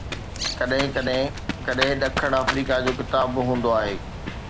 ڪڏھن ڪڏھن ڪڏھن ڏکن جو ڪتاب به ھوندو آھي